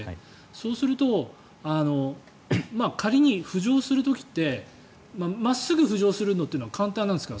そうすると、仮に浮上する時って真っすぐ浮上するのは簡単なんですか？